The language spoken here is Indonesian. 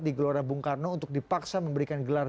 di gelora bung karno untuk dipaksa memberikan gelar